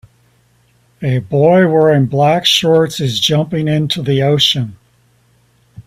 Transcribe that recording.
A boy wearing black shorts is jumping into the ocean.